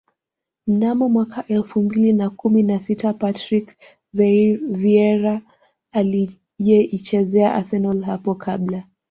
Mnamo mwaka elfu mbili na kumi na sita Patrick Vieira aliyeichezea Arsenal hapo kabla